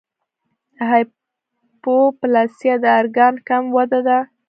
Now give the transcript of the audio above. د هایپوپلاسیا د ارګان کم وده ده.